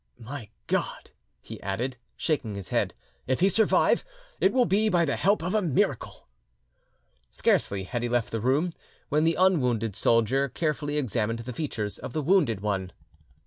"My God!" he added, shaking his head, "if he survive, it will be by the help of a miracle." Scarcely had he left the room, when the unwounded soldier carefully examined the features of the wounded one.